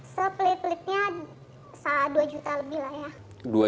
seplit plitnya dua juta lebih lah ya